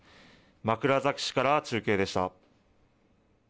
枕崎市から中継でした。